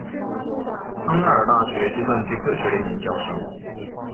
康奈尔大学计算机科学的一名教授。